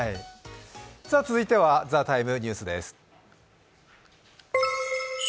続いては「ＴＨＥＴＩＭＥ，ニュース」です